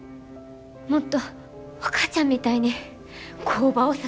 もっとお母ちゃんみたいに工場を支えたい。